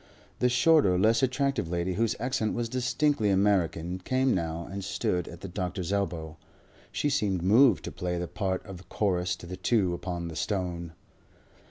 The shorter, less attractive lady, whose accent was distinctly American, came now and stood at the doctor's elbow. She seemed moved to play the part of chorus to the two upon the stone.